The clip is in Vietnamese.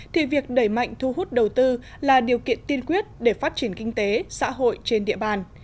thì việc đẩy mạnh thu hút đầu tư là điều kiện tiên quyết để phát triển kinh tế xã hội trên địa bàn